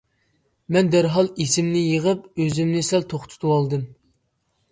مەن دەرھال ئىسىمنى يىغىپ، ئۆزۈمنى سەل توختىتىۋالدىم.